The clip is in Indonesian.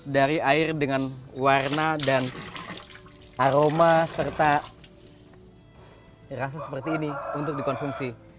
dari air dengan warna dan aroma serta rasa seperti ini untuk dikonsumsi